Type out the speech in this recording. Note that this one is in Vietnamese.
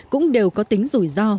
cũng đều có tính rủi ro